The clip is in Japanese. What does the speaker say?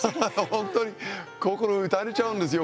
本当に心打たれちゃうんですよ。